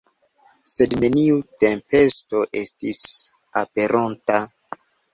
Sed neniu tempesto estis aperonta.